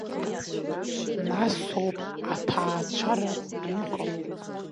Насоуп аҭаацәара аныҟало…